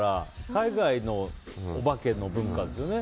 海外のお化けの文化ですよね。